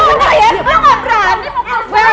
lu tuh bener bener ya lu gak berani